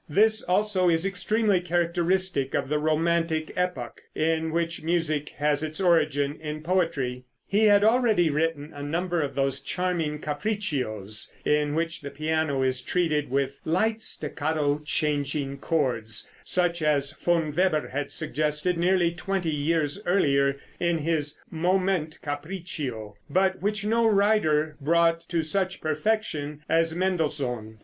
This, also, is extremely characteristic of the romantic epoch, in which music has its origin in poetry. He had already written a number of those charming capriccios, in which the piano is treated with light staccato changing chords, such as Von Weber had suggested nearly twenty years earlier in his "Moment Capriccio," but which no writer brought to such perfection as Mendelssohn.